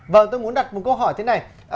vâng tôi muốn đặt một câu hỏi thế này